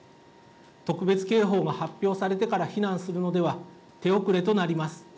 特別警報が発表されてから避難するのでは手遅れとなります。